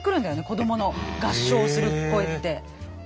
子どもの合唱する声って。